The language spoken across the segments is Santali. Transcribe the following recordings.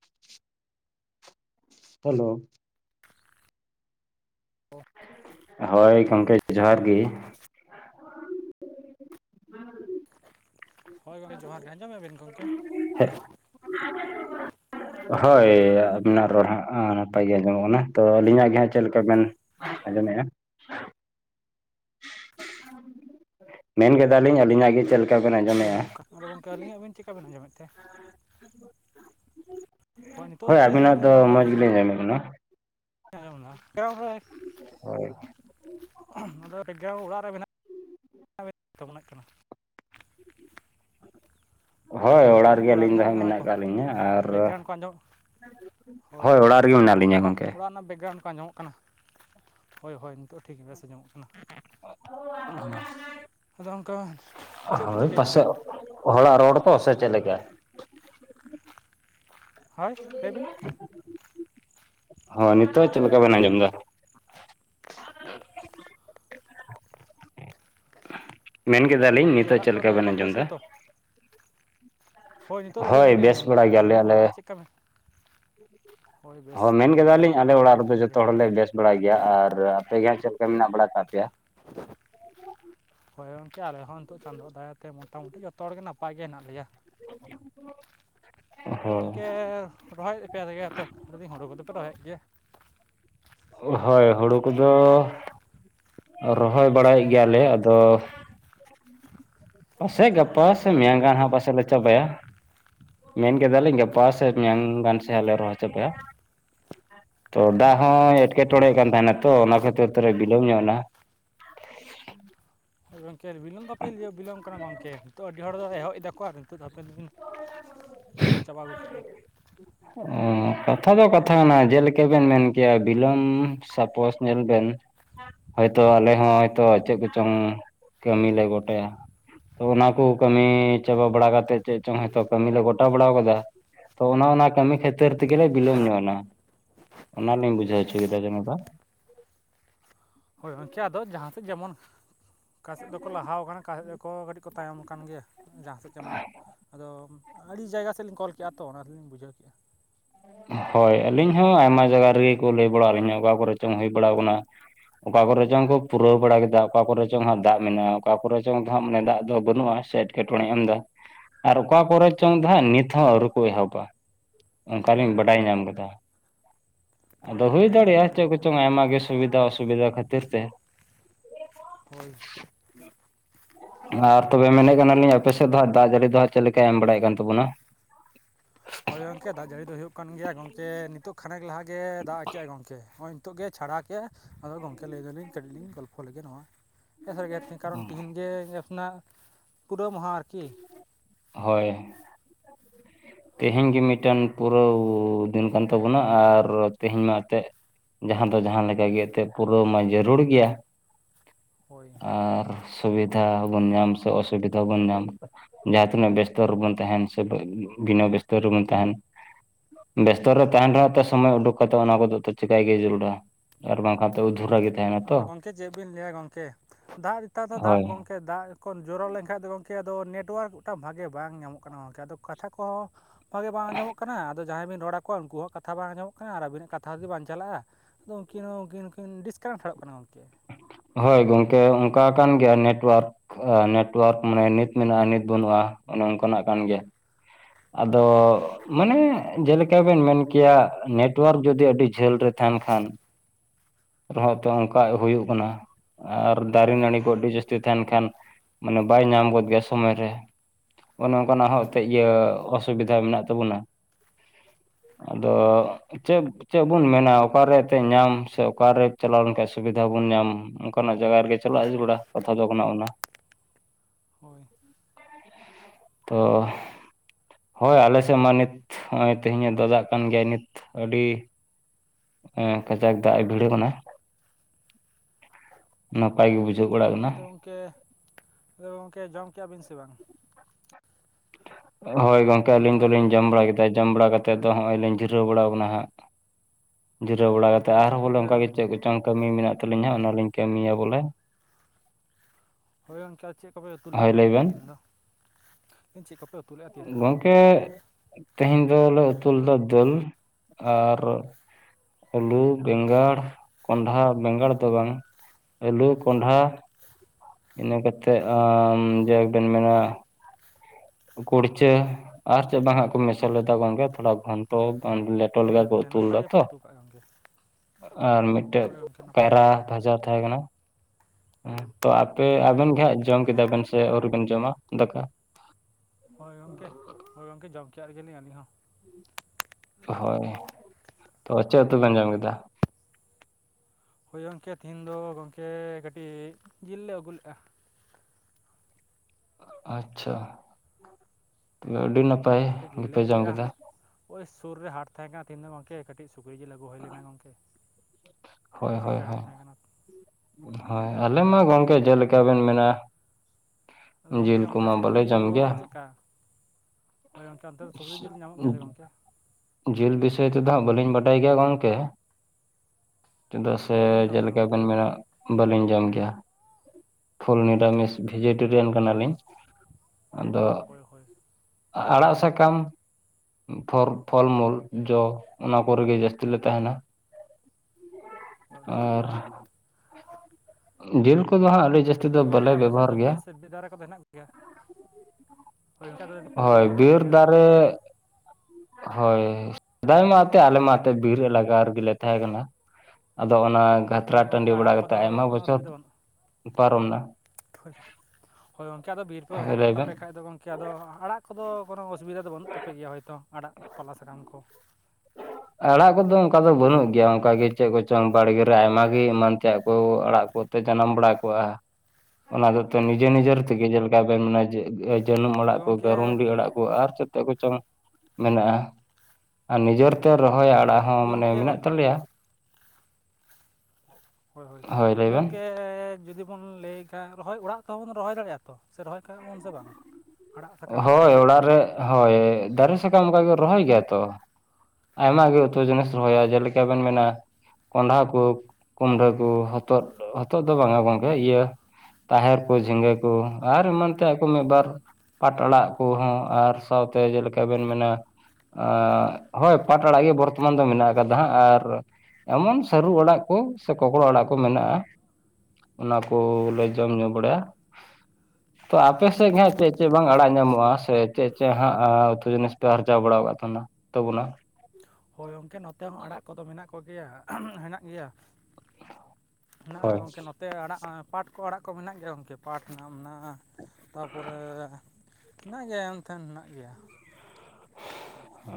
[unintelligible] ᱦᱮᱞᱳᱣ ᱾ ᱦᱳᱭ ᱜᱚᱝᱠᱮ ᱡᱚᱦᱟᱨ ᱜᱮ᱾ ᱦᱳᱭ ᱜᱚᱝᱠᱮ ᱡᱚᱦᱟᱨ ᱜᱮ, ᱟᱸᱡᱚᱢᱮᱜ-ᱟ ᱵᱤᱱ ᱜᱚᱝᱠᱮ? ᱦᱳᱭ ᱟᱵᱤᱱᱟᱜ ᱨᱚᱲ ᱦᱟᱸᱜ ᱱᱟᱯᱟᱭ ᱜᱮ ᱟᱸᱡᱚᱢᱚᱜ ᱠᱟᱱᱟ᱾ ᱛᱚ ᱟᱹᱞᱤᱧᱟᱜ ᱜᱮ ᱦᱟᱸᱜ ᱪᱮ ᱞᱮᱠᱟ ᱵᱮᱱ ᱟᱸᱡᱚᱢᱮᱜ-ᱟ? ᱢᱮᱱ ᱠᱮᱫᱟᱞᱤᱧ ᱟᱹᱞᱤᱧᱟᱜ ᱜᱮ ᱪᱮᱞ ᱜᱮ ᱦᱟᱡᱩᱜ ᱠᱟᱱᱟ, ᱟᱫᱚ ᱜᱚᱝᱠᱮ ᱟᱹᱞᱤᱧᱟᱜ ᱵᱤᱱ ᱪᱮᱜᱠᱟ ᱵᱮᱱ ᱟᱸᱡᱚᱢᱮᱜ ᱛᱮ? ᱦᱳᱭ ᱱᱤᱛᱳᱜ ᱫᱚ ᱴᱷᱮᱥ ᱜᱮᱞᱤᱧ ᱟᱸᱡᱚᱢ ᱮᱫᱟ ᱵᱮᱥ ᱜᱮᱞᱤᱧ ᱮᱢ ᱠᱟᱱᱟ᱾ [inaudible] ᱦᱚᱭ᱾ ᱟᱫᱚ [inaudible] ᱚᱲᱟᱜ ᱨᱮ ᱢᱮᱱᱟᱜ [inaudible] ᱛᱚ ᱢᱚᱱᱮᱨ ᱠᱟᱱᱟ᱾ ᱦᱳᱭ ᱞᱟᱹᱭᱮᱜ ᱟᱞᱤᱧ ᱨᱮᱜᱮ ᱚᱲᱟᱜ ᱨᱮ ᱟᱹᱞᱤᱧ ᱫᱚ ᱢᱮᱱᱟᱜ ᱦᱟᱸᱜ ᱵᱮᱱᱟ ᱦᱚᱭᱛᱳ, ᱟᱠᱟᱫ ᱞᱤᱧᱟᱹ ᱟᱨ ᱵᱮᱜᱽᱜᱨᱟᱱ ᱠᱚ ᱟᱸᱡᱚ ᱦᱳᱭ ᱦᱳᱭ-ᱦᱳᱭ, ᱚᱲᱟᱜ ᱨᱮᱜᱮ ᱢᱮᱱᱟᱜ ᱞᱤᱧᱟᱹ ᱜᱚᱝᱠᱮ ᱚᱲᱟᱜ ᱨᱮᱱᱟᱜ [inaudible] ᱟᱸᱡᱚᱢᱚᱜ ᱠᱟᱱ᱾ ᱦᱳᱭ ᱦᱳᱭ ᱱᱤᱛᱚᱜ ᱴᱷᱤᱠ ᱵᱮᱥ ᱟᱡᱚᱸᱢᱚᱜ ᱠᱟᱱᱟ᱾ [inaudible] ᱟᱫᱚ ᱚᱝᱠᱟ ᱦᱳᱭ ᱯᱟᱥᱮᱫ, ᱦᱚᱲᱟᱜ ᱨᱚᱲ ᱠᱚ ᱥᱮ ᱪᱮᱫ ᱞᱮᱠᱟ? ᱦᱳᱭ ᱞᱟᱹᱭ ᱵᱤᱱ ᱾ ᱦᱳᱭ ᱱᱤᱛᱳᱜ ᱪᱮᱫ ᱞᱮᱠᱟ ᱵᱮᱱ ᱟᱸᱡᱚᱢ ᱫᱟ? [inaudible] ᱢᱮᱱ ᱟᱫᱚ ᱠᱮᱫᱟᱞᱤᱧ ᱜᱚᱢᱠᱮ ᱱᱤᱛᱚᱜ ᱚᱲᱟᱜ ᱪᱮᱫ ᱠᱚᱨᱮ ᱫᱚ ᱞᱮᱠᱟ ᱡᱚᱛᱚ ᱵᱮᱱ ᱵᱮᱥ ᱟᱸᱡᱚᱢ ᱫᱟ? ᱜᱮᱛᱚ ᱱᱤᱛᱚᱜ ᱫᱚ ᱦᱳᱭ ᱜᱮᱞᱤᱧ ᱵᱮᱥ ᱟᱸᱡᱚᱢ ᱮᱫᱟ ᱵᱟᱲᱟ ᱜᱮᱭᱟᱞᱮ ᱟᱹᱞᱤᱧ ᱟᱞᱮ ᱚᱲᱟᱜ ᱨᱮ ᱪᱮᱫ ᱠᱟᱹᱢᱤ ᱦᱳᱭ ᱾ ᱵᱮᱥ ᱦᱚᱸ ᱢᱮᱱ ᱱᱟᱭ ᱠᱮᱫᱟᱞᱤᱧ ᱟᱞᱮ ᱱᱟᱯᱟᱭ ᱚᱲᱟᱜ ᱛᱟᱦᱮᱱ ᱨᱮᱫᱚ ᱡᱚᱛᱚ ᱵᱷᱟᱜᱮ ᱦᱚᱲ ᱞᱮ ᱵᱮᱥ ᱵᱟᱲᱟ ᱜᱮᱭᱟ, ᱟᱨ ᱟᱯᱮ ᱜᱮ ᱦᱟᱸᱜ ᱪᱮᱫ ᱞᱮᱠᱟ ᱢᱮᱱᱟᱜ ᱵᱟᱲᱟ ᱠᱟᱜ ᱯᱮᱭᱟ? ᱦᱳᱭ ᱜᱚᱝᱠᱮ ᱟᱞᱮ ᱦᱚᱸ ᱱᱤᱛᱚᱜ ᱪᱟᱸᱫᱳᱣᱟᱜ ᱫᱟᱭᱟᱛᱮ ᱢᱳᱴᱟ ᱢᱩᱴᱤ ᱡᱚᱛᱚ ᱦᱚᱲᱜᱮ ᱱᱟᱯᱟᱭ ᱜᱮ ᱦᱮᱱᱟᱜ ᱞᱮᱭᱟ ᱾ ᱟᱫᱚ ᱦᱳᱭ ᱜᱚᱝᱠᱮ ᱨᱚᱦᱚᱭᱮᱫ ᱯᱮ [inaudible] ᱛᱚ, ᱢᱮᱱᱫᱤᱧ ᱦᱩᱲᱩ ᱠᱚᱫᱚᱯᱮ ᱨᱚᱦᱚᱭᱮᱫ ᱜᱮᱭᱟ? ᱦᱳᱭ ᱦᱩᱲᱩ ᱠᱚᱫᱚ, ᱨᱚᱦᱚᱭ ᱵᱟᱲᱟᱭᱮᱫ ᱜᱮᱭᱟᱞᱮ ᱟᱫᱚ ᱟᱫᱚ ᱯᱟᱥᱮᱡ ᱛᱤᱱᱟᱹᱜ ᱜᱟᱯᱟ ᱜᱟᱱ ᱛᱮᱯᱮ ᱥᱮ ᱨᱚᱦᱚᱭ ᱢᱮᱭᱟᱝ ᱠᱮᱫᱼᱟ ᱜᱟᱱ ᱜᱚᱢᱠᱮ ᱦᱟᱸᱜ ᱯᱟᱥᱮᱡ ᱞᱮ ᱪᱟᱵᱟᱭᱟ ᱾ ᱢᱮᱱ ᱠᱮᱫᱟᱞᱤᱧ ᱜᱟ ᱯᱟ ᱦᱳᱭ ᱥᱮ ᱜᱚᱢᱠᱮ ᱢᱮᱭᱟᱝ ᱜᱟᱱ ᱥᱮ ᱦᱟᱸᱜ ᱞᱮ ᱨᱚᱦᱚᱭ ᱪᱟᱵᱟᱭᱟ ᱾ ᱛᱚ ᱫᱟᱜ ᱦᱚᱸ ᱮᱴᱠᱮ ᱼᱼᱴᱚᱬᱮᱜ ᱠᱟᱱ ᱛᱟᱦᱮᱸᱱᱟ ᱛᱚ ᱚᱱᱟ ᱠᱷᱟᱹᱛᱤᱨ ᱛᱮ ᱞᱮ ᱵᱤᱞᱚᱢ ᱧᱚᱜ ᱮᱱᱟ ᱾ ᱦᱳᱭ ᱜᱚᱝᱠᱮ ᱵᱤᱞᱚᱢ ᱫᱚᱯᱮ ᱵᱤᱞᱚᱢ ᱠᱟᱱᱟ ᱜᱚᱝᱠᱮ, ᱱᱤᱛᱚᱜ ᱟᱹᱰᱤ ᱦᱚᱲ ᱫᱚ ᱮᱦᱚᱵ ᱮᱫᱟ ᱠᱚ ᱟᱨ ᱱᱤᱛᱚᱜ ᱫᱚ ᱟᱯᱮ [inaudible] ᱪᱟᱵᱟ ᱟᱹᱜᱩ ᱠᱮᱜ-ᱟ ᱾ ᱚᱸᱻ ᱠᱟᱛᱷᱟ ᱫᱚ ᱠᱟᱛᱷᱟ ᱠᱟᱱᱟ ᱡᱮᱞᱮᱠᱟ ᱵᱮᱱ ᱢᱮᱱ ᱠᱮᱜ-ᱟ ᱵᱤᱞᱚᱢ, ᱥᱟᱯᱚᱥ ᱧᱮᱞ ᱵᱮᱱ ᱦᱳᱭᱛᱳ ᱟᱞᱮ ᱦᱚᱸ ᱦᱳᱭᱛᱳ ᱪᱮᱫ ᱠᱚᱪᱚᱝ ᱠᱟᱹᱢᱤᱞᱮ ᱜᱚᱴᱟᱭᱟ ᱾ ᱛᱚ ᱚᱱᱟ ᱠᱚ ᱠᱟᱹᱢᱤ ᱪᱟᱵᱟ ᱵᱟᱲᱟ ᱠᱟᱛᱮᱜ ᱪᱮᱫ ᱪᱚᱝ ᱦᱳᱭᱛᱳ ᱠᱟᱹᱢᱤᱞᱮ ᱜᱚᱴᱟ ᱵᱟᱲᱟᱣ ᱠᱟᱫᱟ᱾ ᱛᱚ ᱚᱱᱟ ᱚᱱᱟ ᱠᱟᱹᱢᱤ ᱠᱷᱟᱹᱛᱤᱨ ᱛᱮᱜᱮ ᱞᱮ ᱵᱤᱞᱚᱢ ᱧᱚᱜ ᱮᱱᱟ᱾ ᱚᱱᱟᱞᱤᱧ ᱵᱩᱡᱷᱟᱹᱣ ᱦᱚᱪᱚ ᱠᱮᱫᱟ ᱡᱮᱱᱚᱠᱟ᱾ ᱦᱳᱭ ᱜᱚᱝᱠᱮ ᱟᱫᱚ ᱡᱟᱦᱟᱸ ᱥᱮᱫ ᱡᱮᱢᱚᱱ᱾ ᱚᱠᱟ ᱥᱮᱫ ᱫᱚᱠᱚ ᱞᱟᱦᱟᱣ ᱟᱠᱟᱱᱟ ᱚᱠᱟ ᱥᱮᱫ ᱫᱚ ᱠᱚ ᱠᱟᱹᱴᱤᱡ ᱠᱚ ᱛᱟᱭᱚᱢ ᱠᱟᱱ ᱜᱮᱭᱟ᱾ ᱡᱟᱦᱟᱸ ᱥᱮᱫ ᱡᱮᱢᱚᱱ ᱟᱫᱚ ᱟᱹᱰᱤ ᱡᱟᱭᱜᱟ ᱥᱮᱫ ᱞᱤᱧ ᱠᱚᱞ ᱠᱮᱫ-ᱟ ᱛᱚ ᱚᱱᱟ ᱛᱮᱞᱤᱧ ᱵᱩᱡᱷᱟᱹᱣ ᱠᱮᱫ-ᱟ᱾ ᱦᱳᱭ ᱟᱹᱞᱤᱧ ᱦᱚᱸ ᱟᱭᱢᱟ ᱡᱟᱭᱜᱟ ᱨᱮᱜᱮ ᱠᱚ ᱞᱟᱹᱭ ᱵᱟᱲᱟᱣᱟᱜ-ᱟ ᱞᱤᱧᱟ, ᱚᱠᱟ ᱠᱚᱨᱮ ᱪᱚᱝ ᱦᱩᱭ ᱵᱟᱲᱟᱣ ᱟᱠᱟᱱᱟ᱾ ᱚᱠᱟ ᱠᱚᱨᱮ ᱪᱚᱝ ᱠᱚ ᱯᱩᱨᱟᱹᱣ ᱵᱟᱲᱟ ᱠᱮᱫᱟ, ᱚᱠᱟ ᱠᱚᱨᱮ ᱪᱚᱝ ᱦᱟᱸᱜ ᱫᱟᱜ ᱢᱮᱱᱟᱜ-ᱟ, ᱚᱠᱟ ᱠᱚᱨᱮ ᱪᱚᱝ ᱫᱚ ᱦᱟᱸᱜ ᱢᱟᱱᱮ ᱫᱟᱜ ᱫᱚ ᱵᱟᱹᱱᱩᱜ-ᱟ ᱥᱮ ᱮᱴᱠᱮᱴᱚᱬᱮ ᱮᱢ ᱮᱫᱟ ᱟᱨ ᱚᱠᱟ ᱠᱚᱨᱮ ᱪᱚᱝ ᱦᱳᱭ ᱫᱚ ᱦᱟᱸᱜ ᱱᱤᱛ ᱦᱚᱸ ᱟᱹᱣᱨᱤ ᱠᱚ ᱮᱦᱚᱵᱟ᱾ ᱚᱱᱠᱟᱞᱤᱧ ᱦᱳᱭ ᱜᱚᱢᱠᱮ ᱵᱟᱰᱟᱭ ᱧᱟᱢ ᱠᱮᱫᱟ᱾ ᱦᱳᱭ ᱟᱫᱚ ᱦᱩᱭ ᱜᱚᱢᱠᱮ ᱟᱹᱞᱤᱧ ᱦᱚᱸᱞᱤᱧ ᱫᱟᱲᱮᱭᱟᱜᱼᱟ ᱪᱮᱫ ᱵᱟᱲᱟᱭ ᱧᱟᱢᱟ ᱠᱚᱪᱚᱝ ᱟᱭᱢᱟ ᱜᱮ ᱥᱩᱵᱤᱫᱷᱟ ᱚᱥᱩᱵᱤᱫᱷᱟ ᱠᱷᱟᱹᱛᱤᱨ ᱛᱮ᱾ ᱦᱳᱭ ᱟᱨ ᱛᱚᱵᱮ ᱢᱮᱱᱮᱫ ᱠᱟᱱᱟ ᱞᱤᱧ, ᱟᱯᱮ ᱥᱮᱫ ᱫᱚ ᱦᱟᱸᱜ ᱫᱟᱜ ᱡᱟᱹᱲᱤ ᱫᱚ ᱦᱟᱸᱜ ᱪᱮᱫ ᱞᱮᱠᱟᱭ ᱮᱢ ᱵᱟᱲᱟᱭᱮᱫ ᱠᱟᱱ ᱛᱟᱵᱚᱱᱟ? [inaudible] ᱦᱳᱭ ᱜᱚᱝᱠᱮ ᱫᱟᱜ ᱡᱟᱹᱲᱤ ᱫᱚ ᱦᱩᱭᱩᱜ ᱠᱟᱱ ᱜᱮᱭᱟ ᱜᱚᱢᱠᱮ ᱱᱤᱛᱚᱜ ᱠᱷᱟᱱᱮᱠ ᱞᱟᱦᱟ ᱜᱮ ᱫᱟᱜ ᱠᱮᱜᱼᱟᱭ ᱜᱚᱝᱠᱮ᱾ ᱱᱤᱛᱚᱜ ᱜᱮ ᱪᱷᱟᱲᱟ ᱠᱮᱫᱼᱟ ᱾ ᱟᱫᱚ ᱜᱚᱝᱠᱮ ᱞᱟᱹᱭᱫᱟᱹᱞᱤᱧ ᱠᱟᱹᱴᱤᱡ ᱞᱤᱧ ᱜᱚᱞᱯᱚ ᱞᱮᱜᱮ ᱱᱚᱣᱟ᱾ [unintelligible] ᱥᱮ ᱠᱟᱨᱚᱱ ᱩᱸ ᱛᱤᱦᱤᱧ ᱜᱮ [unintelligible] ᱯᱩᱨᱟᱹ ᱢᱟᱦᱟᱸ ᱟᱨᱠᱤ᱾ ᱦᱳᱭ᱾ ᱛᱤᱦᱤᱧ ᱜᱮ ᱢᱤᱫᱴᱮᱱ ᱯᱩᱨᱟᱹᱣ ᱫᱤᱱ ᱠᱟᱱ ᱛᱟᱵᱚᱱᱟ ᱟᱨ ᱛᱤᱦᱤᱧ ᱢᱟ ᱮᱛᱮᱜ ᱡᱟᱦᱟᱸ ᱫᱚ ᱡᱟᱦᱟᱸ ᱞᱮᱠᱟ ᱜᱮ ᱮᱱᱛᱮᱫ ᱯᱩᱨᱟᱹᱣ ᱢᱟ ᱡᱟᱹᱨᱩᱲ ᱜᱮᱭᱟ᱾ ᱦᱳᱭ ᱟᱨ ᱥᱩᱵᱤᱫᱷᱟ ᱦᱚᱵᱚᱱ ᱧᱟᱢ ᱥᱮ ᱚᱥᱩᱵᱤᱫᱷᱟ ᱦᱵᱚᱱ ᱧᱟᱢ᱾ ᱡᱟᱦᱟᱸ ᱛᱤᱱᱟᱹᱜ ᱵᱮᱥᱛᱚ ᱨᱮᱵᱚᱱ ᱛᱟᱦᱮᱸᱱ ᱥᱮ ᱵᱮ-ᱵᱤᱱᱟᱹ ᱵᱮᱥᱛᱚ ᱨᱮᱵᱚᱱ ᱛᱟᱦᱮᱸᱱ᱾ ᱵᱮᱥᱛᱚ ᱨᱮ ᱛᱟᱦᱮᱸᱱ ᱨᱮᱦᱚᱸ ᱛᱚ ᱥᱚᱢᱚᱭ ᱩᱰᱩᱠ ᱠᱟᱛᱮᱜ ᱚᱱᱟ ᱠᱚᱫᱚ ᱛᱚ ᱪᱮᱠᱟᱭ ᱜᱮ ᱡᱟᱹᱨᱩᱲᱟ᱾ ᱟᱨ ᱵᱟᱝᱠᱷᱟᱱ ᱫᱚ ᱦᱳᱭ ᱩᱫᱷᱩᱨᱟ ᱜᱮ ᱛᱟᱦᱮᱱᱟ ᱛᱚ ᱟᱨ ᱜᱚᱢᱠᱮ ᱪᱮᱫ ᱵᱤᱱ ᱞᱟᱹᱭᱟ ᱜᱚᱝᱠᱮ ᱫᱟᱜ ᱱᱮᱛᱟᱨ ᱫᱚ ᱫᱟᱜ ᱦᱳᱭ ᱜᱚᱝ ᱠᱮ ᱫᱟᱜ ᱮᱠᱷᱚᱱ ᱡᱚᱨᱚ ᱞᱮᱱᱠᱷᱟᱡ ᱫᱚ ᱜᱚᱢᱠᱮ ᱟᱫᱚ ᱱᱮᱴᱣᱟᱨᱠ ᱢᱤᱫᱴᱟᱝ ᱵᱷᱟᱜᱮ ᱵᱟᱝ ᱧᱟᱢᱚᱜ ᱠᱟᱱᱟ ᱜᱚᱢᱠᱮ᱾ ᱟᱫᱚ ᱠᱟᱛᱷᱟ ᱠᱚᱦᱚᱸ ᱵᱷᱟᱜᱮ ᱵᱟᱝ ᱟᱸᱡᱚᱢᱚᱜ ᱠᱟᱱᱟ ᱟᱫᱚ ᱡᱟᱦᱟᱸᱭ ᱵᱤᱱ ᱨᱚᱲ ᱟᱠᱚᱣᱟ ᱩᱱᱠᱩ ᱦᱚᱸ ᱠᱟᱛᱷᱟ ᱵᱟᱝ ᱟᱸᱡᱚᱢᱚᱜ ᱠᱟᱱᱟ ᱟᱨ ᱟᱹᱵᱤᱱᱟᱜ ᱠᱟᱛᱷᱟ ᱜᱮ ᱵᱟᱝ ᱪᱟᱞᱟᱜᱼᱟ᱾ ᱟᱫᱚ ᱩᱱᱠᱤᱱ ᱦᱚᱸ ᱩᱱᱠᱤᱱ ᱦᱚᱸᱠᱤᱱ ᱰᱤᱥᱠᱟᱱᱮᱠᱴᱚ ᱥᱟᱲᱟᱜ ᱠᱟᱱᱟ ᱜᱚᱢᱠᱮ᱾ ᱦᱳᱭ ᱜᱚᱝᱠᱮ ᱚᱱᱠᱟ ᱠᱟᱱ ᱜᱮᱭᱟ ᱱᱮᱴᱣᱟᱨᱠ ᱱᱮᱴᱣᱟᱨᱠ, ᱢᱟᱱᱮ ᱱᱤᱛ ᱢᱮᱱᱟᱜᱼᱟ ᱱᱤᱛ ᱵᱟᱹᱱᱩᱜ-ᱟ ᱚᱱᱮ ᱚᱱᱠᱟᱱᱟᱜ ᱠᱟᱱ ᱜᱮᱭᱟ᱾ ᱟᱫᱚ ᱢᱟᱱᱮ ᱡᱮᱞᱮᱠᱟ ᱵᱮᱱ ᱢᱮᱱ ᱠᱮᱭᱟ ᱱᱮᱴᱚᱣᱟᱨᱠ ᱡᱩᱫᱤ ᱟᱹᱰᱤ ᱡᱷᱟᱹᱞ ᱨᱮ ᱛᱟᱦᱮᱱ ᱠᱷᱟᱱ ᱟᱨᱦᱚᱸ ᱮᱛᱚ ᱚᱱᱠᱟ ᱦᱩᱭᱩᱜ ᱠᱟᱱᱟ᱾ ᱟᱨ ᱫᱟᱨᱮ ᱱᱟᱹᱲᱤ ᱠᱚ ᱟᱹᱰᱤ ᱡᱟᱹᱥᱛᱤ ᱛᱟᱦᱮᱱ ᱠᱷᱟᱱ ᱢᱟᱱᱮ ᱵᱟᱭ ᱧᱟᱢ ᱜᱚᱫ ᱜᱮᱭᱟ ᱥᱚᱢᱚᱭ ᱨᱮ᱾ ᱚᱱᱮ ᱚᱱᱠᱟᱱᱟᱜ ᱦᱚᱸ ᱦᱳᱭ ᱚᱛᱮ ᱤᱭᱟᱹ ᱚᱥᱩᱵᱤᱫᱷᱟ ᱢᱮᱱᱟᱜ ᱛᱟᱵᱚᱱᱟ᱾ ᱟᱫᱚ ᱪᱮᱫ ᱪᱮᱫ ᱵᱚᱱ ᱢᱮᱱᱟ ᱚᱠᱟᱨᱮ ᱮᱱᱛᱮᱫ ᱧᱟᱢ ᱥᱮ ᱚᱠᱟᱨᱮ ᱪᱟᱞᱟᱣ ᱞᱮᱱᱠᱟᱡ ᱥᱩᱵᱤᱫᱷᱟ ᱵᱚᱱ ᱧᱟᱢ ᱚᱱᱠᱟᱱᱟᱜ ᱡᱟᱭᱜᱟ ᱨᱮᱜᱮ ᱪᱟᱞᱟᱜ ᱦᱩᱭᱩᱜ ᱵᱟᱲᱟ ᱠᱟᱛᱷᱟ ᱫᱚ ᱠᱟᱱᱟ ᱟᱱᱟ᱾ [inaudible] ᱦᱳᱭ᱾ ᱛᱚ ᱦᱳᱭ ᱟᱞᱮᱥᱮᱫ ᱢᱟ ᱱᱤᱛ ᱦᱚᱸᱜ-ᱚᱭ ᱛᱮᱦᱮᱧᱮ ᱫᱟᱫᱟᱜ ᱠᱟᱱ ᱜᱮᱭᱟᱭ ᱱᱤᱛ ᱟᱹᱰᱤ ᱦᱮᱸ ᱠᱟᱡᱟᱠ ᱫᱟᱜ-ᱮ ᱵᱷᱤᱲᱟᱹᱣ ᱠᱟᱱᱟ᱾ ᱱᱟᱯᱟᱭ ᱜᱮ ᱵᱩᱡᱟᱹᱜ ᱵᱟᱲᱟᱜ ᱠᱟᱱᱟ᱾ ᱠᱮ ᱟᱫᱚ ᱜᱚᱢᱠᱮ ᱡᱚᱢ ᱠᱮᱜ ᱟᱵᱤᱱ ᱥᱮ ᱵᱟᱝ? ᱦᱳᱭ ᱜᱚᱢᱠᱮ ᱡᱚᱢ ᱟᱹᱞᱤᱧ ᱵᱟᱲᱟ ᱠᱚ ᱫᱚᱞᱤᱧ ᱡᱚᱢ ᱵᱟᱲᱟ ᱠᱮᱫᱟ, ᱡᱚᱢ ᱵᱟᱲᱟ ᱠᱟᱛᱮᱫ ᱫᱚ ᱦᱚᱸᱜᱼᱚᱭ ᱞᱤᱧ ᱡᱤᱨᱟᱹᱣ ᱵᱟᱲᱟ ᱠᱟᱱᱟ ᱦᱟᱸᱜ᱾ ᱡᱤᱨᱟᱹᱣ ᱵᱟᱲᱟ ᱜᱚᱢᱠᱮ ᱠᱟᱛᱮᱫ ᱪᱮᱫ ᱟᱨᱦᱚᱸ ᱵᱚᱞᱮ ᱜᱚᱢᱠᱮ ᱚᱱᱠᱟᱮ ᱪᱮᱫ ᱠᱚᱪᱚᱝ ᱠᱟᱹᱢᱤ ᱢᱮᱱᱟᱜ ᱛᱟᱹᱞᱤᱧ ᱦᱟᱸᱜ ᱚᱱᱟᱞᱤᱧ ᱠᱟᱹᱢᱤᱭᱟ ᱵᱚᱞᱮ᱾ ᱦᱳᱭ ᱜᱚᱢᱠᱮ ᱟᱨ ᱪᱮᱫ ᱠᱚᱯᱮ ᱩᱛᱩ ᱞᱮᱫ ᱦᱳᱭ ᱛᱮ ᱞᱟᱹᱭ ᱜᱚᱢᱠᱮ ᱵᱮᱱ ᱛᱮᱦᱤᱧ ᱫᱚ? ᱪᱮᱫ ᱠᱚᱯᱮ ᱩ ᱜᱚᱢᱠᱮ ᱛᱮᱦᱮᱧ ᱫᱚ ᱞᱮ ᱩᱛᱩ ᱞᱮᱫᱟ ᱫᱟᱹᱞ ᱟᱨ ᱟᱹᱞᱩ, ᱵᱮᱸᱜᱟᱲ, ᱠᱚᱸᱰᱷᱟ ᱵᱮᱸᱜᱟᱲ ᱫᱚ ᱵᱟᱝ᱾ ᱟᱹᱞᱩ, ᱠᱚᱸᱰᱷᱟ᱾ ᱤᱱᱟᱹᱠᱟᱛᱮᱫ ᱟᱢ ᱡᱮᱫᱵᱤᱱ ᱢᱮᱱᱟ ᱠᱩᱲᱪᱟᱹ ᱟᱨ ᱪᱮᱫ ᱵᱟᱝ ᱦᱟᱸᱜ ᱠᱚ ᱢᱮᱥᱟᱞ ᱞᱮᱫᱟ ᱜᱚᱝᱠᱮ ᱛᱷᱚᱲᱟ ᱜᱷᱚᱱᱴᱚ [unintelligible] ᱞᱮᱴᱚ ᱦᱳᱭ ᱞᱮᱠᱟ ᱜᱚᱢᱠᱮ ᱩᱛᱩ ᱱᱟᱯᱟᱭ ᱞᱮᱫᱟ ᱜᱮᱯᱮ ᱛᱚ ᱾ ᱩᱛᱩ ᱠᱟᱜᱼᱟ ᱜᱚᱢᱠᱮ ᱟᱨ ᱢᱤᱫᱴᱮᱡ ᱦᱳᱭ ᱜᱚᱢᱠᱮ ᱱᱟᱯᱟᱭ ᱠᱟᱭᱨᱟ ᱜᱮᱯᱮ ᱩᱛᱩ ᱠᱟᱜᱼᱟ ᱵᱷᱟᱡᱟ ᱛᱟᱦᱮᱸ ᱠᱟᱱᱟ ᱾ ᱛᱚ ᱟᱯᱮ ᱦᱳᱭ ᱟᱵᱮᱱ ᱦᱳᱭ ᱜᱮ ᱦᱟᱸᱜ ᱡᱚᱢ ᱠᱮᱫᱟ ᱵᱮᱱ ᱥᱮ ᱟᱹᱣᱨᱤ ᱵᱮᱱ ᱡᱚᱢᱟ ᱫᱟᱠᱟ? ᱦᱳᱭ ᱜᱚᱝᱠᱮ, ᱦᱳᱭ ᱜᱚᱢᱠᱮ ᱡᱚᱢ ᱠᱮᱫ ᱜᱮᱭᱟ ᱞᱤᱧ ᱟᱹᱞᱤᱧ ᱦᱚᱸ ᱾ ᱦᱳᱭ, ᱛᱚ ᱪᱮᱫ ᱩᱛᱩ ᱵᱮᱱ ᱡᱚᱢ ᱠᱮᱫᱟ? ᱦᱳᱭ ᱜᱚᱝᱠᱮ ᱛᱤᱦᱤᱧ ᱫᱚ ᱜᱚᱝᱠᱮ ᱠᱟᱹᱴᱤᱡ ᱡᱤᱞ ᱞᱮ ᱟᱹᱜᱩ ᱞᱮᱫᱼᱟ ᱾ ᱟᱪᱪᱷᱟ, ᱟᱹᱰᱤ ᱱᱟᱯᱟᱭ ᱜᱚᱢᱠᱮ ᱡᱤᱞ ᱞᱮ ᱜᱮᱯᱮ ᱟᱹᱜᱩ ᱡᱚᱢ ᱞᱮᱫᱼᱟ ᱠᱮᱫᱟ ᱾ ᱳᱭ ᱥᱩᱨ ᱨᱮ ᱦᱟᱴ ᱛᱟᱦᱮᱸ ᱠᱟᱱᱟ ᱛᱮᱦᱮᱧ ᱫᱚ ᱜᱚᱝᱠᱮ ᱠᱟᱹᱴᱤᱡ ᱥᱩᱠᱨᱤ ᱡᱮᱞ ᱟᱹᱜᱩ ᱦᱩᱭ ᱞᱮᱱᱟ ᱜᱚᱝᱠᱮ ᱾ ᱦᱳᱭ ᱦᱳᱭ ᱦᱳᱭ, ᱦᱳᱭ ᱟᱞᱮ ᱢᱟ ᱜᱚᱝᱠᱮ ᱡᱮᱞᱮᱠᱟ ᱵᱮᱱ ᱢᱮᱱᱟ ᱟᱫᱚ ᱜᱚᱢᱠᱮ ᱡᱤᱞ ᱚᱱᱛᱮ ᱠᱚᱢᱟ ᱥᱩᱠᱨᱤ ᱵᱟᱞᱮ ᱡᱤᱞ ᱡᱚᱢ ᱫᱚ ᱜᱮᱭᱟ ᱾ ᱪᱮᱫᱠᱟ ᱦᱳᱭ ᱜᱚᱢᱠᱮ ᱚᱱᱛᱮ ᱫᱚ ᱥᱩᱠᱨᱤ ᱡᱤᱞ ᱧᱟᱢᱚᱜ ᱜᱮᱭᱟ ᱥᱮ [unintelligible] ᱜᱚᱢᱠᱮ ᱡᱤᱞ ᱵᱤᱥᱚᱭ ᱛᱮᱫᱚ ᱦᱟᱸᱜ ᱵᱟᱹᱞᱤᱧ ᱵᱟᱰᱟᱭ ᱜᱮᱭᱟ ᱜᱚᱝᱠᱮ ᱾ ᱪᱮᱫᱟᱜ ᱥᱮ ᱟᱫᱚ ᱵᱟᱹᱵᱤᱱ ᱡᱚᱢ ᱛᱮ ᱡᱮᱞᱮᱠᱟ ᱜᱚᱢᱠᱮ ᱵᱮᱱ ᱟᱹᱵᱤᱱ ᱫᱚ ᱢᱮᱱᱟ ᱵᱟᱹᱞᱤᱧ ᱡᱚᱢ ᱜᱮᱭᱟ ᱾ ᱯᱷᱩᱞ ᱚ ᱱᱤᱨᱟᱢᱤᱥ ᱵᱷᱮᱡᱤᱴᱮᱨᱤᱭᱟᱱ ᱠᱟᱱᱟ ᱞᱤᱧ ᱾ ᱟᱫᱚ ᱦᱳᱭ ᱦᱳᱭ ᱾ ᱟᱲᱟᱜ ᱥᱟᱠᱟᱢ ᱯᱷᱚᱨ ᱯᱷᱚᱞᱢᱩᱞ, ᱡᱚ ᱚᱱᱟ ᱠᱚᱨᱮ ᱜᱮ ᱡᱟᱹᱥᱛᱤ ᱞᱮ ᱛᱟᱦᱮᱱᱟ ᱦᱳᱭ ᱾ ᱦᱳᱭ ᱟᱨ ᱡᱤᱞ ᱠᱚᱫᱚ ᱦᱟᱸᱜ ᱟᱹᱰᱤ ᱡᱟᱹᱥ ᱟᱫᱚ ᱜᱚᱝᱠᱮ ᱟᱯᱮ ᱥᱮᱫ ᱫᱚ ᱵᱤᱨ ᱥᱮ ᱫᱟᱨᱮ ᱠᱚᱫᱚ ᱢᱮᱱᱟᱜ ᱜᱮᱭᱟ? ᱦᱳᱭ ᱚᱱᱠᱟ ᱫᱚ [unintelligible] ᱦᱳᱭ ᱵᱤᱜᱷᱟᱹ ᱫᱚ ᱵᱤᱨ ᱦᱮᱱᱟᱜ ᱜᱮᱭᱟ ᱥᱮ ᱫᱟᱨᱮ ᱜᱚᱝᱠᱮ? ᱦᱳᱭ ᱥᱮᱫᱟᱭ ᱢᱟ ᱮᱱᱛᱮᱫ ᱟᱞᱮ ᱢᱟ ᱮᱱᱛᱮᱫ ᱵᱤᱨ ᱮᱞᱟᱠᱟ ᱨᱮᱜᱮ ᱞᱮ ᱛᱟᱦᱮᱸ ᱠᱟᱱᱟ ᱾ ᱟᱫᱚ ᱚᱱᱟ ᱦᱳᱭ ᱜᱟᱛᱨᱟ ᱛᱟᱦᱚᱞᱮ ᱴᱟᱺᱰᱤ ᱜᱚᱢᱠᱮ ᱵᱟᱲᱟ ᱟᱲᱟᱜ ᱠᱟᱛᱮ ᱠᱚᱫᱚ ᱟᱭᱢᱟ ᱠᱳᱱᱳ ᱵᱚᱪᱷᱚᱨ ᱚᱥᱩᱵᱤᱫᱟ ᱵᱟᱹᱱᱩᱜ ᱯᱟᱨᱚᱢ ᱮᱱᱟ ᱾ ᱦᱳᱭ ᱜᱚᱝᱠᱮ ᱟᱫᱚ ᱵᱤᱨ ᱠᱚ ᱦᱳᱭ ᱦᱮᱱᱟᱜ ᱞᱟᱹᱭ ᱵᱮᱱ ᱠᱚᱛᱟᱯᱮ ᱠᱷᱟᱡ ᱫᱚ ᱜᱚᱝ ᱠᱮ ᱟᱫᱚ ᱟᱲᱟᱜ ᱠᱚᱫᱚ ᱠᱳᱱᱳ ᱚᱥᱩᱵᱤᱫᱟ ᱫᱚ ᱵᱟᱹᱱᱩᱜ ᱛᱟᱯᱮ ᱜᱮᱭᱟ ᱦᱳᱭᱛᱳ, ᱟᱲᱟᱜ ᱯᱟᱞᱟ, ᱥᱟᱠᱟᱢ ᱠᱚ? ᱟᱲᱟᱜ ᱠᱚᱫᱚ ᱚᱱᱠᱟ ᱫᱚ ᱵᱟᱹᱱᱩᱜ ᱜᱮᱭᱟ ᱚᱱᱠᱟ ᱜᱮ ᱪᱮᱫ ᱠᱚᱪᱚᱝ ᱵᱟᱲᱜᱮ ᱨᱮ ᱟᱭᱢᱟ ᱜᱮ ᱮᱢᱟᱱ ᱛᱮᱭᱟᱜ ᱠᱚ ᱟᱲᱟᱜ ᱠᱚᱛᱮ ᱡᱟᱱᱟᱢ ᱵᱟᱲᱟ ᱠᱚᱜᱼᱟ ᱾ ᱚᱱᱟ ᱫᱚ ᱛᱚ ᱱᱤᱡᱮᱨ ᱱᱤᱡᱮᱨ ᱛᱮᱜᱮ, ᱡᱮᱞᱮᱠᱟ ᱵᱮᱱ ᱢᱮᱱᱟ ᱡᱟᱹᱱᱩᱢ ᱟᱫᱚ ᱟᱲᱟᱜ ᱠᱚ, ᱜᱚᱢᱠᱮ ᱜᱟᱨᱩᱱᱰᱤ ᱟᱲᱟᱜ ᱠᱚ, ᱟᱨ ᱪᱮᱫ ᱪᱮᱫ ᱠᱚᱪᱚᱝ ᱢᱮᱱᱟᱜᱼᱟ ᱟᱨ ᱱᱤᱡᱮᱨ ᱛᱮ ᱨᱚᱦᱚᱭ ᱟᱲᱟᱜ ᱦᱚᱸ ᱟᱫᱚ ᱢᱟᱱᱮ ᱜᱚᱢᱠᱮ ᱢᱮᱱᱟᱜ ᱛᱟᱞᱮᱭᱟ ᱾ ᱦᱳᱭ ᱦᱳᱭ, ᱞᱟᱹᱭ ᱟᱪᱪᱷᱟ ᱵᱮᱱ ᱜᱚᱝᱠᱮ ᱡᱩᱫᱤ ᱵᱚᱱ ᱞᱟᱹᱭ ᱠᱷᱟᱱ ᱨᱚᱦᱚᱭ ᱚᱲᱟᱜ ᱛᱮᱵᱚᱱ ᱨᱚᱦᱚᱭ ᱫᱟᱲᱮᱜᱼᱟ ᱛᱚ, ᱥᱮ ᱨᱚᱦᱚᱭ ᱠᱟᱜ ᱵᱚᱱ ᱥᱮ ᱵᱟᱝ? ᱟᱲᱟᱜ ᱥᱟᱠᱟᱢ ᱥᱟᱠᱟᱢ ᱦᱳᱭ ᱠᱚ ᱚᱲᱟᱜ ᱨᱮ ᱦᱳᱭ, ᱫᱟᱨᱮ ᱥᱟᱠᱟᱢ ᱚᱝᱠᱟ ᱜᱮ ᱨᱚᱦᱚᱭ ᱜᱮᱭᱟ ᱛᱚ ᱾ ᱟᱭᱢᱟ ᱜᱮ ᱩᱛᱩ ᱡᱚᱱᱤᱥ ᱨᱚᱦᱚᱭᱟ, ᱡᱮᱞᱮᱠᱟ ᱵᱤᱱ ᱢᱮᱱᱟ ᱠᱚᱱᱰᱦᱷᱟ ᱠᱚ, ᱠᱩᱢᱰᱟᱹ ᱠᱚ, ᱦᱚᱛᱚᱫᱽ ᱦᱚᱛᱚᱫᱽ ᱫᱚ ᱵᱟᱝᱟ ᱵᱟᱝᱜᱮ ᱤᱭᱟᱹ ᱛᱟᱦᱮᱨ ᱠᱚ, ᱡᱷᱤᱸᱜᱟᱹ ᱠᱚ ᱟᱨ ᱮᱢᱟᱱ ᱛᱮᱭᱟᱜ ᱠᱚ ᱢᱤᱫᱵᱟᱨ ᱾ ᱯᱟᱴ ᱟᱲᱟᱜ ᱠᱚᱦᱚᱸ ᱟᱨ ᱥᱟᱶᱛᱮ ᱡᱮᱞᱮᱠᱟ ᱵᱮᱱ ᱢᱮᱱᱟ ᱮᱸᱜ ᱦᱳᱭ ᱯᱟᱴ ᱟᱲᱟᱜ ᱜᱮ ᱵᱚᱨᱛᱚᱢᱟᱱ ᱫᱚ ᱢᱮᱱᱟᱜ ᱠᱟᱫᱟ ᱦᱟᱸᱜ ᱾ ᱟᱨ ᱮᱢᱚᱱ ᱥᱟᱹᱨᱩ ᱟᱲᱟᱜ ᱠᱚ, ᱥᱮ ᱠᱚᱠᱲᱟ ᱟᱲᱟᱜ ᱠᱚ ᱢᱮᱱᱟᱜᱼᱟ ᱾ ᱚᱱᱟ ᱠᱚ ᱦᱳᱭ ᱞᱮ ᱜᱚᱢᱠᱮ ᱡᱚᱢ ᱧᱩ ᱵᱟᱲᱟᱭᱟ ᱾ ᱛᱚ ᱟᱯᱮ ᱥᱮᱫ ᱜᱮ ᱦᱟᱹᱜ ᱪᱮᱫ ᱪᱮᱫ ᱵᱟᱝ ᱟᱲᱟᱜ ᱧᱟᱢᱚᱜᱼᱟ? ᱥᱮ ᱪᱮᱫ ᱪᱮᱫ ᱦᱟᱸᱜ ᱩᱛᱩ ᱡᱤᱱᱤᱥ ᱯᱮ ᱟᱨᱟᱨᱡᱟᱣ ᱵᱟᱲᱟ ᱠᱟᱫ ᱛᱟᱦᱮᱱᱟ ᱛᱟᱵᱚᱱᱟ? ᱦᱳᱭ ᱜᱚᱝᱠᱮ ᱱᱚᱛᱮ ᱦᱚᱸ ᱟᱲᱟᱜ ᱠᱚᱫᱚ ᱢᱮᱱᱟᱜ ᱠᱚ ᱜᱮᱭᱟ ᱦᱮᱱᱟᱜ ᱜᱮᱭᱟ ᱾ ᱦᱳᱭ ᱢᱮᱱᱟᱜᱼᱟ ᱜᱚᱝᱠᱮ ᱱᱚᱛ ᱛᱮ ᱟᱲᱟᱜ ᱯᱟᱴ ᱠᱚ ᱟᱲᱟᱜ ᱠᱚ ᱢᱮᱱᱟᱜ ᱜᱮᱭᱟ ᱜᱟᱝᱠᱮ ᱯᱟᱴ ᱢᱮᱱᱟᱜ-ᱟ ᱚᱱᱟ, ᱛᱟᱯᱚᱨᱮ ᱦᱮᱸᱱᱟᱜ ᱜᱮᱭᱟ ᱟᱹᱱ ᱛᱷᱟᱹᱱ ᱦᱮᱱᱟᱜ ᱜᱮᱭᱟ ᱾ [inaudible]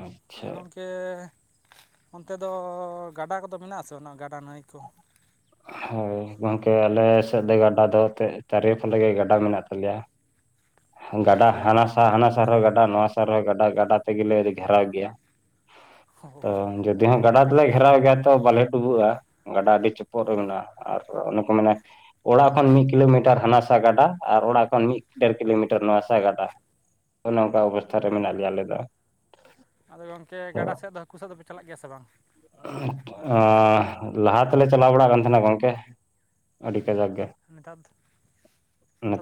ᱦᱩᱸ ᱾ ᱟᱨ ᱜᱚᱝᱠᱮ ᱚᱱᱛᱮ ᱫᱚ ᱜᱟᱰᱟ ᱠᱚᱫᱚ ᱢᱮᱱᱟᱜ ᱟᱥᱮ ᱚᱱᱟ ᱜᱟᱰᱟ ᱱᱟᱹᱭ ᱠᱚ? ᱦᱳᱭ ᱜᱚᱝᱠᱮ ᱟᱞᱮ ᱥᱮᱫ ᱫᱚ ᱜᱟᱰᱟ ᱫᱚ ᱮᱱᱛᱮ ᱛᱟᱨᱤᱯᱷᱟᱞᱮ ᱜᱮ ᱜᱟᱰᱟ ᱢᱮᱱᱟᱜ ᱛᱟᱞᱮᱭᱟ ᱢᱮᱱᱟᱜ ᱜᱟᱰᱟ ᱛᱟᱯᱮᱭᱟ ᱦᱟᱱᱟ ᱥᱟᱦ ᱦᱟᱱᱟ ᱥᱟᱨᱦᱚᱸ ᱜᱟᱰᱟ ᱱᱚᱣᱟ ᱥᱟᱨᱦᱚᱸ ᱜᱟᱰᱟ ᱜᱟᱰᱟ ᱛᱮᱜᱮᱞᱮ ᱜᱷᱮᱨᱟᱣ ᱜᱮᱭᱟ ᱚ ᱛᱚ ᱡᱩᱫᱤ ᱦᱟᱸᱜ ᱦᱟᱱᱛᱮ ᱜᱟᱰᱟ ᱱᱟᱛᱮ ᱛᱮᱜᱮᱞᱮ ᱜᱷᱮᱨᱟ ᱜᱨᱟᱣ ᱜᱮᱭᱟ ᱛᱚ ᱛᱚ ᱵᱟᱞᱮ ᱰᱩᱵᱩᱜ-ᱟ ᱜᱟᱰᱟ ᱟᱹᱰᱤ ᱪᱚᱯᱫ ᱨᱮ ᱢᱮᱱᱟᱜ-ᱟ ᱟᱨ ᱚᱱᱮ ᱠᱚ ᱢᱮᱱᱟ ᱚᱲᱟᱜ ᱠᱷᱚᱱ ᱢᱤᱫ ᱠᱤᱞᱳᱢᱤᱴᱟᱨ ᱦᱟᱱᱟᱥᱟ ᱜᱟᱰᱟ ᱟᱨ ᱚᱲᱟᱜ ᱠᱷᱚᱱ ᱢᱤᱫ ᱠᱮᱨ ᱠᱤᱞᱳᱢᱤᱴᱟᱨ ᱱᱚᱣᱟ ᱥᱟ ᱜᱟᱰᱟ ᱚᱱᱮ ᱚᱱᱠᱟ ᱚᱵᱚᱥᱛᱷᱟ ᱚ ᱢᱮᱱᱟᱜ ᱞᱮᱭᱟ ᱟᱞᱮ ᱫᱚ᱾ ᱟᱫᱚ ᱜᱚᱝᱠᱮ ᱛᱚ ᱜᱟᱰᱟ ᱥᱮᱫ ᱫᱚ ᱦᱟᱹᱠᱩ ᱥᱟᱵ ᱫᱚᱯᱮ ᱪᱟᱞᱟᱜ ᱜᱮᱭᱟ ᱥᱮ ᱵᱟᱝ? ᱞᱟᱦᱟ ‍ᱛᱮᱞᱮ ᱪᱟᱞᱟᱣ ᱵᱟᱲᱟᱜ ᱠᱟᱱ ᱛᱟᱦᱮᱱᱟ ᱜᱚᱝᱠᱮ ᱟᱹᱰᱤ ᱠᱟᱡᱟᱠ ᱜᱮ ᱱᱮᱛᱟᱨ ᱫᱚ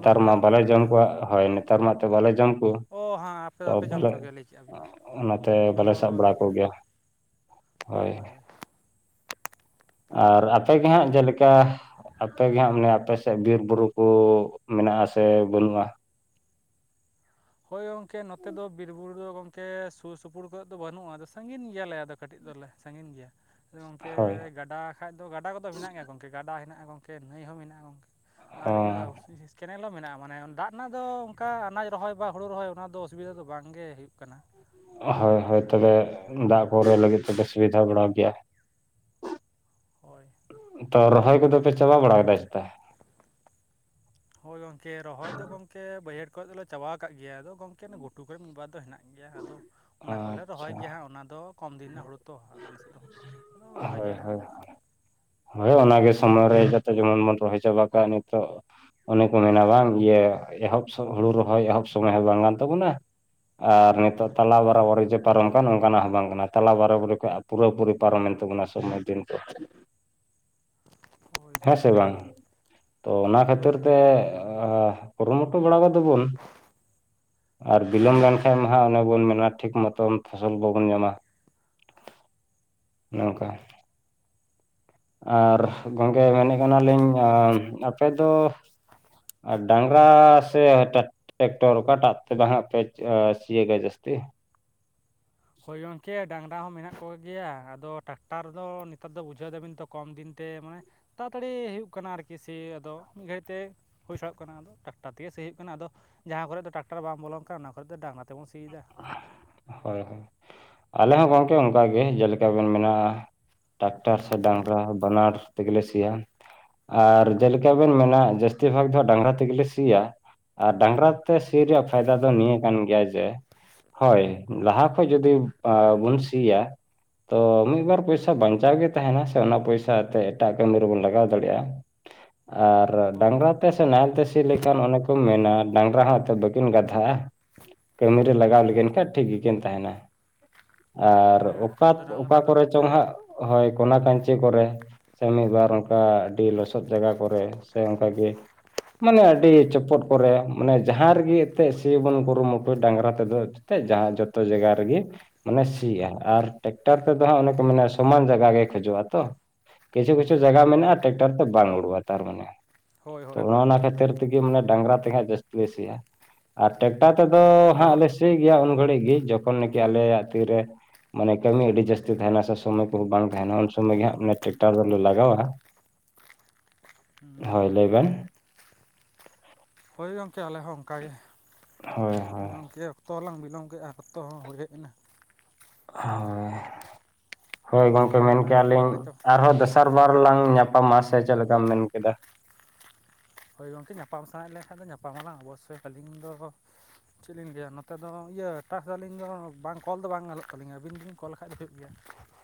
ᱫᱚ ᱵᱟᱯᱮ ᱢᱟ ᱪᱟᱞᱟᱜ ᱵᱟᱞᱮ ᱵᱟᱲᱟᱜ ᱡᱚᱢ ᱠᱟᱱᱛᱮ ᱠᱚᱣᱟ ᱦᱚᱭ ᱱᱮᱛᱟᱨ ᱢᱟᱛᱚ ᱵᱟᱞᱮ ᱡᱚᱢ ᱠᱚ ᱚ ᱦᱮᱸ ᱟᱯᱮ ᱛᱚ ᱫᱚᱯᱮ ᱡᱚᱢ ᱵᱟᱞᱮ ᱠᱚᱜᱮᱭᱟ ᱞᱟᱹᱭ ᱠᱮᱫᱼᱟ ᱵᱤᱱ ᱚᱱ ᱛᱮ ᱟᱯᱮ ᱵᱚᱞᱮ ᱫᱚ ᱥᱟᱵ ᱵᱲᱟ ᱞᱟᱹᱭ ᱠᱮᱫᱼᱟ ᱠᱚᱜᱭᱟ ᱦᱳᱭ ᱦᱳᱭ ᱦᱳᱭ ᱟᱨ ᱟᱯᱮᱜᱮ ᱦᱟᱜ ᱡᱮᱞᱮᱠᱟ ᱟᱯᱮᱜ ᱜᱮ ᱦᱟᱸᱜ ᱢᱟᱱᱮ ᱟᱯᱮ ᱥᱮᱫ ᱜᱮ ᱵᱩᱨᱩ ᱠᱚ ᱢᱮᱱᱟᱜ ᱥᱮ ᱵᱟᱹᱱᱩᱜ-ᱟ? ᱦᱳᱭ ᱜᱚᱝᱠᱮ ᱱᱚᱛᱮ ᱫᱚ ᱵᱤᱨ ᱵᱩᱨᱩ ᱫᱚ ᱜᱚᱝᱠᱮ ᱥᱩᱨ ᱥᱩᱯᱩᱨ ᱠᱚᱨᱮᱫ ᱫᱚ ᱵᱟᱹᱱᱩᱜ-ᱟ ᱟᱫᱚ ᱥᱟᱺᱜᱤᱧ ᱜᱮᱭᱟᱞᱮ ᱟᱫᱚ ᱠᱟᱹᱴᱤᱡ ᱫᱚᱞᱮ ᱥᱟᱺᱜᱤᱧ ᱜᱤᱭᱟ ᱥᱮ ᱜᱚᱝᱠᱮ ᱦᱳᱭ ᱜᱟᱰᱟ ᱠᱷᱟ ᱫᱚ ᱜᱟᱰᱟ ᱠᱚᱫᱚ ᱢᱮᱱᱟᱜ ᱜᱮᱭᱟ ᱜᱚᱝᱠᱮ ᱜᱟᱰᱟ ᱦᱮᱱᱟᱜ-ᱟ ᱜᱚᱝᱠᱮ ᱱᱟᱹᱭ ᱦᱚᱸ ᱢᱮᱱᱟᱜ-ᱟ ᱜᱚᱝ ᱟᱨ ᱤᱭᱟᱹ ᱦᱚᱸ ᱠᱮᱱᱮᱞ ᱦᱚᱸ ᱢᱮᱱᱟᱜ-ᱟ ᱢᱟᱱᱮ ᱫᱟᱜ ᱨᱮᱱᱟᱜ ᱫᱚ ᱚᱱᱠᱟ ᱟᱱᱟᱡ ᱨᱚᱦᱚᱭ ᱵᱟ ᱦᱩᱲᱩ ᱨᱚᱦᱚᱭ ᱚᱱᱟ ᱫᱚ ᱚᱥᱩᱵᱤᱫᱟ ᱫᱚ ᱵᱟᱝ ᱜᱮ ᱦᱩᱭᱩᱜ ᱠᱟᱱᱟ ᱦᱳᱭ ᱦᱳᱭ ᱛᱚᱵᱮ ᱫᱟᱜ ᱠᱚᱨᱮ ᱞᱟᱹᱜᱤᱫ ᱛᱮᱫᱚ ᱥᱩᱵᱤᱫᱷᱟ ᱵᱟᱲᱟ ᱜᱮᱭᱟ [inaudible] ᱦᱳᱭ ᱛᱚ ᱨᱚᱦᱚᱭ ᱠᱚᱫᱚ ᱯᱮ ᱪᱟᱵᱟ ᱵᱟᱲᱟ ᱠᱮᱫᱟ ᱯᱮ ᱪᱮᱛᱟ? ᱦᱳᱭ ᱜᱚᱝᱠᱮ ᱨᱚᱦᱚᱭ ᱫᱚ ᱜᱟᱝᱠᱮ ᱵᱟᱹᱭᱦᱟᱹᱲ ᱠᱚᱨᱮᱫ ᱫᱚᱞᱮ ᱪᱟᱵᱟ ᱠᱟᱜ ᱜᱮᱭᱟ ᱟᱫᱚ ᱜᱚᱝᱠᱮ ᱜᱷᱩᱴᱩ ᱠᱚᱨᱮ ᱢᱤᱫ ᱵᱟᱨ ᱫᱚ ᱦᱮᱱᱟᱜ ᱜᱮᱭᱟ ᱜᱮᱭᱟ ᱟᱫᱚ ᱚᱱᱟ ᱠᱚᱞᱮ ᱨᱚᱦᱚᱭ ᱟᱪᱪᱷᱟ ᱜᱮᱭᱟ ᱦᱟᱸᱜ ᱚᱱᱟ ᱫᱚ ᱠᱚᱢ ᱫᱤᱱ ᱨᱮᱱᱟᱜ ᱦᱳᱲᱳ ᱛᱚ ᱟᱞᱮᱥᱮᱫ ᱫᱚ ᱟᱫᱟ ᱨᱚᱦᱚᱭ ᱦᱳᱭ ᱜᱮᱭᱟᱞ ᱦᱳᱭ ᱦᱟᱸᱜ ᱦᱳᱭ ᱚᱱᱟᱜᱮ ᱥᱚᱢᱚᱭ ᱨᱮ ᱦᱮᱡ ᱠᱟᱛᱮ ᱡᱮᱢᱚᱱ ᱵᱚᱱ ᱨᱚᱦᱚᱭ ᱪᱟᱵᱟ ᱠᱟᱜ ᱱᱤᱛᱚᱜ ᱚᱱᱮ ᱠᱚ ᱢᱮᱱᱟ ᱵᱟᱝ ᱤᱭᱟᱹ ᱮᱦᱚᱵ ᱥᱚᱜ ᱦᱩᱲᱩ ᱨᱚᱦᱚᱭ ᱮᱦᱚᱵ ᱥᱚᱢᱚᱭ ᱦᱚᱸ ᱵᱟᱝ ᱠᱟᱱ ᱛᱟᱵᱚᱱᱟ ᱟᱨ ᱱᱤᱛᱜ ᱛᱟᱞᱟ ᱦᱳᱭ ᱵᱟᱨᱟ ᱵᱟᱨᱩ ᱡᱟᱯ ᱯᱟᱨᱚᱢ ᱠᱟᱱ ᱚᱱᱠᱟᱱᱟᱜ ᱦᱚᱸ ᱵᱟᱝ ᱠᱟᱱᱟ ᱛᱟᱞᱟ ᱵᱟᱨᱟ ᱵᱟᱨᱤ ᱠᱷᱚᱡ ᱯᱩᱨᱟᱹ ᱯᱩᱨᱤ ᱯᱟᱨᱚᱢᱮᱱ ᱛᱟᱵᱚᱱᱟ ᱥᱚᱢᱚᱭ ᱫᱤᱱ ᱠᱚ ᱦᱳᱭ ᱦᱮᱸᱥᱮ ᱵᱟᱝ ᱛᱚ ᱚᱱᱟ ᱦᱳᱭ ᱠᱷᱟᱹᱛᱤᱨ ᱛᱮ ᱜᱚᱢᱠᱮ ᱠᱩᱨᱩᱢᱩᱴᱩ ᱵᱟᱲᱟ ᱠᱟᱫᱟᱵᱚᱱ ᱟᱨ ᱵᱤᱞᱚᱢ ᱞᱮᱱᱠᱷᱟᱱ ᱢᱟ ᱦᱟᱸ ᱟᱫᱚ ᱵᱚᱱ ᱢᱮᱱᱟ ᱴᱷᱤᱠ ᱢᱚᱛᱚᱱ ᱯᱷᱚᱥᱚᱞ ᱵᱟᱵᱚᱱ ᱧᱟᱢᱟ᱾ ᱚᱱᱮ ᱚᱝᱠᱟ ᱟᱨ ᱦᱳᱭ ᱜᱚᱝᱠᱮ ᱢᱮᱱᱮᱫ ᱠᱟᱱᱟᱞᱤᱧ ᱟᱯᱮ ᱫᱚ ᱟ ᱰᱟᱝᱨᱟ ᱥᱮ ᱴᱨᱴ ᱴᱮᱠᱴᱚᱨ ᱚᱠᱟ ᱴᱟᱜ ᱛᱮ ᱵᱟᱦᱟᱜ ᱯᱮ ᱥᱤᱭᱟᱹᱜ-ᱟ ᱜᱟᱡᱫᱮ ᱡᱟᱹᱥᱛᱤ? ᱦᱳᱭ ᱜᱚᱝᱠᱮ ᱰᱟᱝᱨᱟ ᱦᱚᱸ ᱢᱮᱱᱟᱜ ᱠᱚᱜᱮᱭᱟ ᱟᱫᱚ ᱴᱟᱠᱴᱟᱨ ᱫᱚ ᱱᱮᱛᱟᱨ ᱫᱚ ᱵᱩᱡᱷᱟᱹᱣ ᱫᱟᱵᱤᱱ ᱛᱚ ᱠᱚᱢ ᱫᱤᱱ ᱛᱮ ᱢᱟᱱᱮ ᱛᱟᱲᱟᱛᱟᱹᱲᱤ ᱦᱩᱭᱩᱜ ᱠᱟᱱᱟ ᱟᱨᱠᱤ ᱥᱮ ᱟᱫᱚ ᱢᱤᱫ ᱜᱷᱟᱹᱲᱤᱡ ᱛᱮ᱾ ᱦᱩᱭ ᱥᱟᱲᱚᱜ ᱠᱟᱱᱟ ᱟᱫᱚ ᱴᱟᱠᱴᱟᱨ ᱛᱮᱜᱮ ᱥᱤᱭ ᱦᱩᱭᱩᱜ ᱠᱟᱱᱟ ᱟᱫᱚ ᱡᱟᱦᱟᱸ ᱠᱚᱨᱮᱫ ᱫᱚ ᱴᱨᱟᱠᱴᱟᱨ ᱵᱟᱢ ᱵᱚᱞᱚᱱ ᱠᱟᱱᱟ ᱚᱱᱟ ᱠᱚᱨᱮ ᱫᱚ ᱰᱟᱝᱨᱟ ᱛᱮᱵᱚᱱ ᱥᱤᱭ ᱫᱟ᱾ ᱦᱳᱭ ᱟᱞᱮ ᱦᱚᱸ ᱜᱚᱝᱠᱮ ᱚᱱᱠᱟ ᱜᱮ ᱡᱮᱞᱮᱠᱟ ᱵᱮᱱ ᱢᱮᱱᱟᱜ-ᱟ ᱴᱨᱟᱠᱴᱟᱨ ᱥᱮ ᱦᱳᱭ ᱰᱟᱝᱨᱟ ᱵᱟᱱᱟᱨ ᱛᱮᱜᱮ ᱞᱮ ᱥᱤᱭᱟ᱾ ᱟᱨ ᱡᱮᱞᱮᱠᱟ ᱵᱮᱱ ᱢᱮᱱᱟ ᱡᱟᱹᱥᱛᱤ ᱵᱷᱟᱜ ᱫᱚ ᱦᱟᱜ ᱰᱟᱝᱨᱟ ᱛᱮᱜᱮᱞᱮ ᱥᱤᱭᱟ᱾ ᱟᱨ ᱰᱟᱝᱨᱟ ᱛᱮ ᱥᱤ ᱨᱮᱭᱟᱜ ᱯᱷᱟᱭᱫᱟ ᱫᱚ ᱱᱤᱭᱟᱹ ᱠᱟᱱ ᱜᱮᱭᱟ ᱡᱮ ᱦᱳᱭ ᱞᱟᱦᱟ ᱠᱷᱚᱡ ᱡᱩᱫᱤ ᱦᱩᱸ ᱵᱚᱱ ᱥᱤᱭᱟ, ᱛᱚ ᱢᱤᱫ ᱵᱟᱨ ᱯᱚᱭᱥᱟ ᱦᱩᱸ ᱵᱟᱝᱪ ᱪᱟᱣ ᱜᱮ ᱛᱟᱦᱮᱱᱟ ᱥᱮ ᱚᱱᱟ ᱯᱚᱭᱥᱟ ᱛᱮ ᱮᱴᱟᱜ ᱠᱟᱹᱢᱤ ᱨᱮᱵᱚᱱ ᱞᱟᱜᱟᱣ ᱫᱟᱲᱮᱜᱼᱟ ᱾ ᱟᱨ ᱦᱳᱭ ᱰᱟᱸᱝᱨᱟ ᱛᱮ ᱥᱮ ᱱᱟᱦᱮᱞ ᱛᱮ ᱥᱤ ᱞᱮᱠᱷᱟᱱ ᱚᱱᱮ ᱠᱚᱢ ᱢᱮᱱᱟ ᱰᱟᱸᱝᱨᱟ ᱮᱛᱮ ᱵᱟᱹᱠᱤᱱ ᱜᱟᱫᱷᱟᱜᱼᱟ ᱾ ᱠᱟᱹᱢᱤ ᱨᱮ ᱞᱟᱜᱟᱣ ᱞᱮᱠᱤᱱ ᱠᱷᱟᱡ ᱴᱷᱤᱠ ᱜᱮᱠᱤᱱ ᱛᱟᱦᱮᱱᱟ ᱾ ᱟᱨ ᱦᱳᱭ ᱜᱚᱝᱠᱮ ᱚᱠᱟ ᱟᱫᱚ ᱚᱠᱟ ᱰᱟᱝᱨᱟ ᱫᱚ ᱠᱚᱨᱮ ᱪᱚᱝ ᱜᱚᱝᱠᱮ ᱦᱟᱸᱜ, ᱦᱳᱭ ᱾ ᱠᱚᱱᱟ ᱠᱟᱧᱪᱤ ᱠᱚᱨᱮ, ᱥᱮ ᱢᱤᱫᱼᱵᱟᱨ ᱚᱱᱠᱟ ᱟᱹᱰᱤ ᱞᱚᱥᱚᱫ ᱡᱟᱭᱜᱟ ᱠᱚᱨᱮ, ᱥᱮ ᱚᱱᱠᱟ ᱜᱮ ᱢᱟᱱᱮ ᱟᱹᱰᱤ ᱪᱚᱯᱚᱴ ᱠᱚᱨᱮ ᱢᱟᱱᱮ ᱡᱟᱦᱟᱸ ᱨᱮᱜᱮ ᱮᱱᱛᱜ ᱥᱤ ᱵᱮᱱ ᱠᱩᱨᱩᱢᱩᱴᱩᱭ ᱰᱟᱸᱝᱨᱟ ᱛᱮᱫᱚ ᱮᱛᱮᱫ [unintelligible] ᱡᱟᱦᱟᱸ ᱡᱚᱛᱚ ᱡᱟᱜᱟ ᱨᱮᱜᱮ ᱢᱟᱱᱮ ᱥᱤᱜᱼᱟ, ᱟᱨ ᱴᱮᱠᱴᱟᱨ ᱛᱮᱫᱚ ᱦᱟᱸᱜ ᱚᱱᱮ ᱠᱚ ᱢᱮᱱᱟ ᱥᱚᱢᱟᱱ ᱡᱟᱜᱟ ᱜᱮ ᱠᱷᱚᱡᱚᱜᱼᱟ ᱛᱚ ᱾ ᱠᱤᱪᱷᱩ ᱠᱤᱪᱷᱩ ᱡᱟᱜᱟ ᱦᱩᱸ ᱢᱮᱱᱟᱜᱼᱟ ᱴᱨᱟᱠᱴᱟᱨ ᱫᱚ ᱵᱟᱝ ᱩᱰᱩᱠᱟ ᱛᱟᱨ ᱢᱟᱱᱮ ᱦᱳᱭ ᱛᱚ ᱦᱳᱭ ᱚᱱᱮ ᱦᱳᱭ ᱚᱱᱟ ᱦᱳᱭ ᱠᱷᱟᱹᱛᱤᱨ ᱛᱮᱜᱮ ᱢᱟᱱᱮ ᱰᱟᱸᱝᱨᱟ ᱛᱮᱜᱮ ᱦᱟᱸᱜ ᱡᱟᱹᱥᱛᱤ ᱞᱮ ᱥᱤᱭᱟ, ᱟᱨ ᱴᱮᱠᱴᱟᱨ ᱛᱮᱫᱚ ᱜᱚᱝᱠᱮ ᱟᱫᱚ ᱦᱟᱸᱜ ᱞᱮ ᱜᱚᱝᱠᱮ ᱥᱤ ᱜᱮᱭᱟ ᱩᱱ ᱜᱷᱟᱹᱲᱤᱡ ᱜᱮ ᱡᱚᱠᱷᱚᱱ ᱠᱤ ᱟᱞᱮᱭᱟᱜ ᱛᱤ ᱨᱮ ᱢᱟᱱᱮ ᱠᱟᱹᱢᱤ ᱟᱹᱰᱤ ᱡᱟᱹᱥᱛᱤ ᱛᱟᱦᱮᱱᱟ ᱥᱮ ᱥᱚᱢᱚᱭ ᱠᱚᱦᱚ ᱵᱟᱝ ᱛᱟᱦᱮᱱᱟ, ᱩᱱ ᱥᱚᱢᱚᱭ ᱜᱮ ᱦᱟᱸᱜ ᱴᱮᱠᱴᱟᱨ ᱫᱚᱞᱮ ᱞᱟᱜᱟᱣᱟ ᱾ ᱦᱩᱸ ᱦᱳᱭ ᱞᱟᱹᱭ ᱵᱮᱱ ᱾ ᱦᱳᱭ ᱜᱚᱝᱠᱮ ᱟᱞᱮ ᱦᱚᱸ ᱚᱱᱠᱟ ᱜᱮ ᱦᱳᱭ ᱾ ᱦᱳᱭ ᱜᱚᱝᱠᱮ ᱚᱠᱛᱚ ᱞᱟᱝ ᱵᱤᱞᱚᱢ ᱠᱮᱫᱼᱟ ᱚᱠᱛᱚ ᱦᱚᱸ ᱦᱩᱭ ᱦᱮᱡ ᱮᱱᱟ ᱾ ᱦᱳᱭ, ᱦᱳᱭ ᱟᱫᱚ ᱜᱚᱝᱠᱮ ᱢᱮᱱ ᱱᱟᱭᱛᱮ ᱠᱮᱭᱟᱞᱤᱧ ᱱᱟᱢᱟᱭ ᱛᱚ ᱟᱨᱦᱚᱸ ᱫᱚᱥᱟᱨ ᱵᱟᱨ ᱞᱟᱝ ᱧᱟᱯᱟᱢᱟ ᱥᱮ ᱪᱮᱫ ᱞᱮᱠᱟᱢ ᱢᱮᱱ ᱠᱮᱫᱟ? ᱦᱳᱭ ᱜᱚᱝᱠᱮ ᱧᱟᱯᱟᱢ ᱥᱟᱱᱟᱭᱮᱫ ᱞᱮᱠᱷᱟᱱ ᱫᱚ ᱧᱟᱯᱟᱢ ᱟᱞᱟᱝ ᱚᱵᱚᱥᱥᱳᱭ, ᱟᱹᱞᱤᱧ ᱫᱚ ᱪᱮᱫ ᱞᱤᱧ ᱞᱟᱹᱭᱼᱟ ᱱᱚᱛᱮ ᱫᱚ ᱤᱭᱟᱹ ᱴᱟᱠᱥ ᱫᱚ ᱪᱮᱫ ᱞᱤᱧ ᱱᱚᱛᱮ ᱫᱚ ᱤᱭᱟᱹ ᱪᱟᱜ ᱥᱮ ᱟᱹᱞᱤᱧ ᱫᱚ ᱵᱟᱝ ᱠᱚᱞ ᱫᱚ ᱵᱟᱝ ᱜᱟᱱᱚᱜ ᱛᱟᱹᱞᱤᱧᱟ ᱟᱹᱵᱤᱱ ᱫᱚᱵᱤᱱ ᱠᱚᱞ ᱞᱮᱠᱷᱟᱡ ᱫᱚ ᱦᱩᱭᱩᱜ ᱜᱮᱭᱟ ᱾